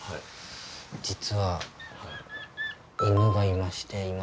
実は犬がいまして今。